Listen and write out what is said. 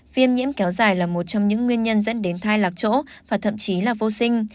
viêm nhiễm kéo dài là một trong những nguyên nhân dẫn đến thai lạc chỗ và thậm chí là vô sinh